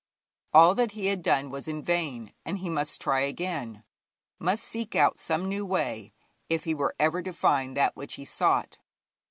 All that he had done was in vain, and he must try again, must seek out some new way, if he were ever to find that which he sought.